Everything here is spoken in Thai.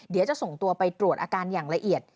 เดี๋ยวจะส่งตัวไปตรวจอาการอย่างละเอียด